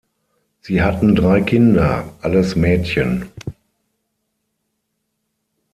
Sie hatten drei Kinder, alles Mädchen.